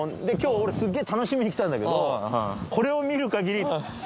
今日俺すっげぇ楽しみに来たんだけどこれを見る限り。